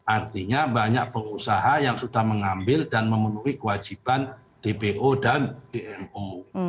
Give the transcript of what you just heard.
artinya banyak pengusaha yang sudah mengambil dan memenuhi kewajiban dpo dan dmo